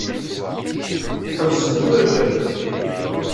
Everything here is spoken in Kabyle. Ḥebset tura kan.